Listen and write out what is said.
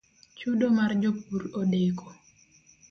Chudo mar jopur odeko